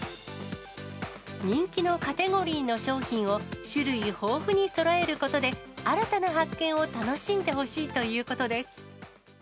人気のカテゴリーの商品を種類豊富にそろえることで、新たな発見を楽しんでほしいということです。